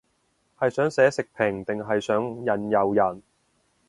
係想寫食評定係想引誘人